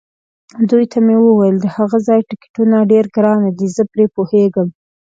دوی ته مې وویل: د هغه ځای ټکټونه ډېر ګران دي، زه پرې پوهېږم.